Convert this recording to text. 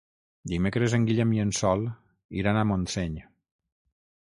Dimecres en Guillem i en Sol iran a Montseny.